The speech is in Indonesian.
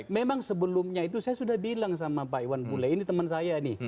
memang sebelumnya itu saya sudah bilang sama pak iwan bule ini teman saya nih